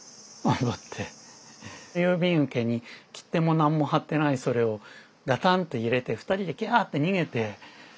郵便受けに切手も何も貼ってないそれをガタンッて入れて二人で「キャーッ」って逃げて。